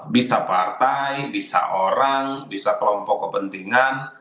bisa partai bisa orang bisa kelompok kepentingan